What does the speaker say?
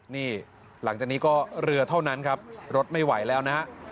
นี่หลังจากนี้ก็เรือเท่านั้นครับรถไม่ไหวแล้วนะฮะ